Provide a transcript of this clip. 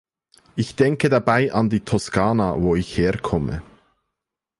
Ich denke dabei an die Toskana, wo ich herkomme.